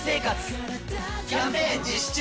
キャンペーン実施中！